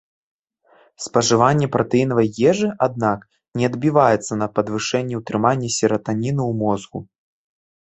Спажыванне пратэінавай ежы, аднак, не адбіваецца на падвышэнні утрымання сератаніну ў мозгу.